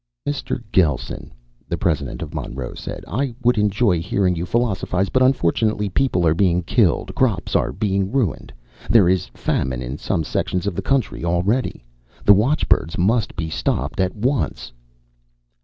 "Mr. Gelsen," the president of Monroe said, "I would enjoy hearing you philosophize, but, unfortunately, people are being killed. Crops are being ruined. There is famine in some sections of the country already. The watchbirds must be stopped at once!"